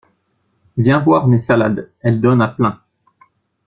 Viens voir mes salades, elles donnent à plein.